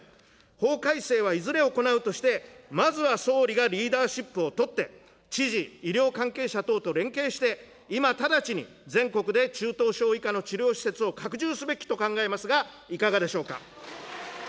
法改正はいずれ行うとして、まずは総理がリーダーシップを取って、知事、医療関係者等と連携して、今直ちに、全国で中等症以下の治療施設を拡充すべきと考えますが、いかがでしょうか。